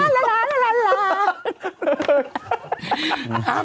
ฮลลลลลล้า